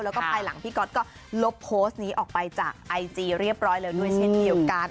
แล้วก็ภายหลังพี่ก๊อตก็ลบโพสต์นี้ออกไปจากไอจีเรียบร้อยแล้วด้วยเช่นเดียวกัน